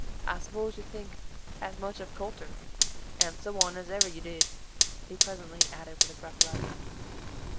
I s'pose you think as much of culter and so on as ever you did," he presently added with a gruff laugh.